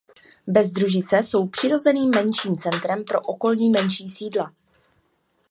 Bezdružice jsou přirozeným menším centrem pro okolní menší sídla.